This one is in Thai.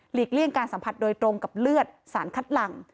เลี่ยงการสัมผัสโดยตรงกับเลือดสารคัดหลัง